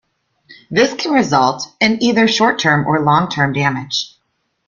This can result in either short-term or long-term damage.